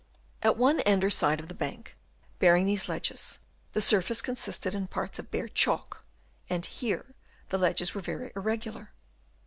At one end or side of the bank bearing these ledges, the surface consisted in parts of bare chalk, and here the ledges were very irregular.